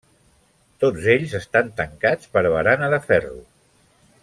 Tots ells estan tancats per barana de ferro.